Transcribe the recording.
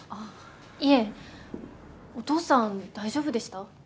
いえお父さん大丈夫でした？